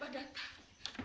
bu sumi jangan berani